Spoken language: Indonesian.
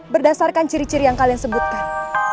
berdasarkan ciri ciri yang kalian sebutkan